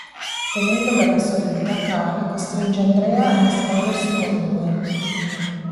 Temendo per la sua vita, Carl costringe Andrea a nascondersi con lui.